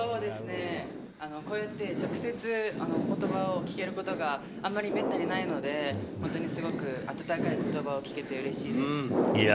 こうやって直接言葉を聞けることがめったにないので本当にすごく温かい言葉を聞けてうれしいです。